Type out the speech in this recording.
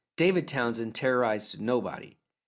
David Townsend terrorized nobody.